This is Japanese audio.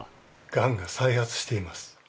がんが再発しています。